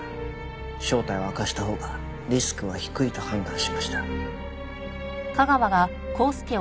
正体を明かしたほうがリスクは低いと判断しました。